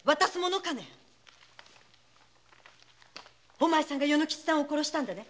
お前さんが与之吉さんを殺したんだね。